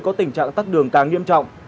có tình trạng tắt đường càng nghiêm trọng